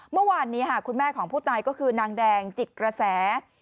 เมื่อวานนี้คุณแม่ของผู้ตายก็คือนางแดงจิตกระแส